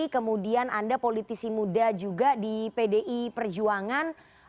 kemudian anda politisi muda juga di pdi perjuangan